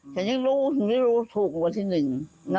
แต่ยังรู้ไม่มีรู้ถูกวันที่นึง